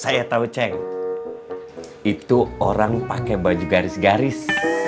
saya tau ceng itu orang pake baju garis garis